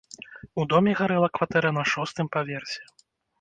У доме гарэла кватэра на шостым паверсе.